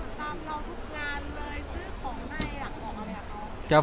ถึงตามเราทุกงานเลย